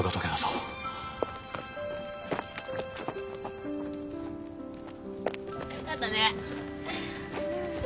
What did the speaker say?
よかったね。